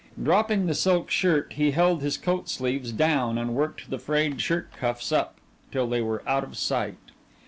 Dropping the silk shirt, he held his coat sleeves down and worked the frayed shirt cuffs up till they were out of sight.